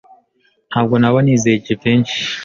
Ntabwo naba nizeye Jivency.